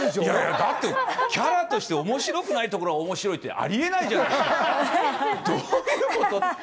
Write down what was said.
だってキャラとして面白くないところを面白いって、ありえないじゃないですか。